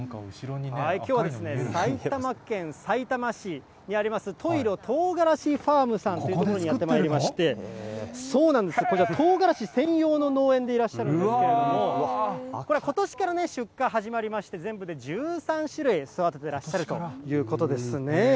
きょうは埼玉県さいたま市にあります、十色とうがらしファームさんという所にやってまいりまして、こちら、とうがらし専用の農園でいらっしゃるんですけれども、これ、ことしから出荷始まりまして、全部で１３種類育ててらっしゃるということなんですね。